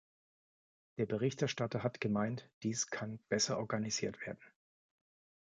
Der Berichterstatter hat gemeint, dies kann besser organisiert werden.